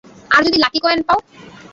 আর যদি lucky coin পাও?